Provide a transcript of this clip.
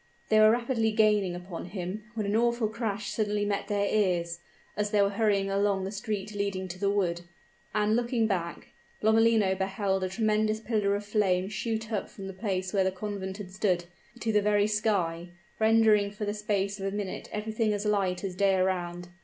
They were rapidly gaining upon him, when an awful crash suddenly met their ears, as they were hurrying along the street leading to the wood; and, looking back, Lomellino beheld a tremendous pillar of flame shoot up from the place where the convent had stood, to the very sky, rendering for the space of a minute everything as light as day around.